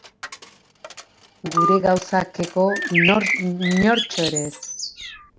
Gure Gauzak-eko inortxo ere ez.